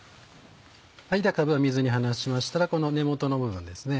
かぶを水に放しましたらこの根元の部分ですね